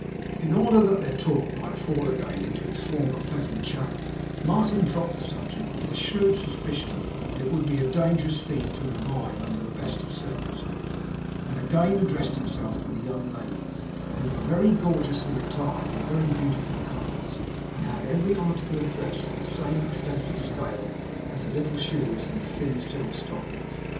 In order that their talk might fall again into its former pleasant channel, Martin dropped the subject, with a shrewd suspicion that it would be a dangerous theme to revive under the best of circumstances; and again addressed himself to the young ladies, who were very gorgeously attired in very beautiful colours, and had every article of dress on the same extensive scale as the little shoes and the thin silk stockings.